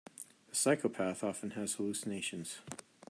The psychopath often has hallucinations.